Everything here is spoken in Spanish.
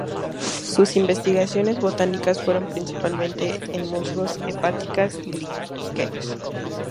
Sus investigaciones botánicas fueron principalmente en musgos, hepáticas y líquenes.